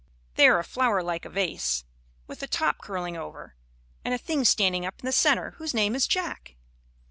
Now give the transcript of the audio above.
They are a flower like a vase, with a top curling over, and a thing standing up in the centre whose name is "Jack."